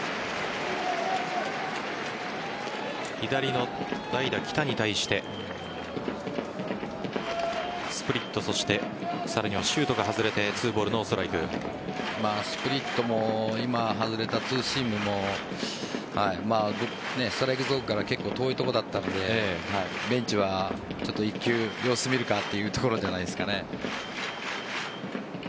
左の代打・来田に対してスプリットそしてさらにはシュートが外れてスプリットも今外れたツーシームもストライクゾーンから結構遠いところだったのでベンチは１球様子見るかというところじゃないですかね。